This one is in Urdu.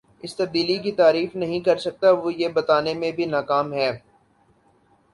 اس تبدیلی کی تعریف نہیں کر سکا وہ یہ بتانے میں بھی ناکام ہے